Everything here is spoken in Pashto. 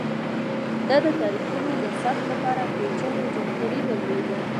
دا د تاریخونو د ثبت لپاره پېچلی جنتري درلوده